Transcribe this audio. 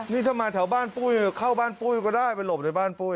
นี่ถ้ามาแถวบ้านปุ้ยเข้าบ้านปุ้ยก็ได้ไปหลบในบ้านปุ้ย